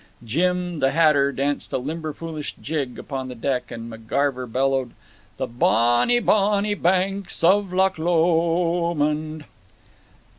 Tim, the hatter, danced a limber foolish jig upon the deck, and McGarver bellowed, "The bon nee bon nee banks of Loch Lo o o o mond."